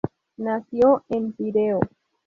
Nació en Pireo.